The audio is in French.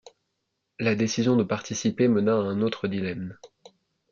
La décision de participer mena à un autre dilemme.